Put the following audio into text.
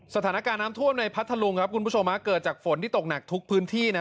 สถานการณ์น้ำท่วมในพัทธลุงครับคุณผู้ชมฮะเกิดจากฝนที่ตกหนักทุกพื้นที่นะ